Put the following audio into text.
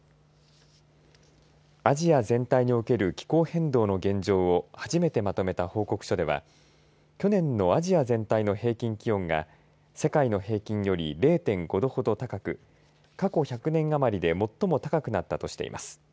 アジア全体における気候変動の現状を初めてまとめた報告書では去年のアジア全体の平均気温が世界の平均より０．５度ほど高く過去１００年余りで最も高くなったとしています。